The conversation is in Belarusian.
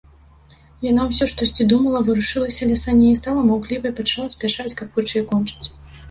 Яна ўсё штосьці думала, варушылася ля саней, стала маўклівай, пачала спяшаць, каб хутчэй кончыць.